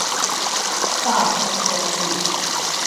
大通公路